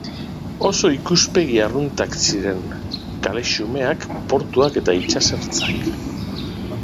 Oso ikuspegi arruntak ziren: kale xumeak, portuak eta itsasertzak.